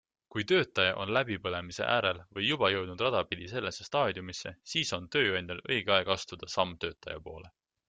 Kui töötaja on läbipõlemise äärel või juba jõudnud rada pidi sellesse staadiumisse, siis on tööandjal õige aeg astuda samm töötaja poole.